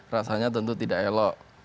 rasanya tentu tidak elok